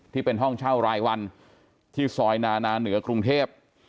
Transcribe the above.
ที่เป็นห้องเช่ารายวันที่ซอยนานาเหนือกรุงเทพ